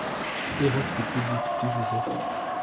Hérode fait exécuter Joseph.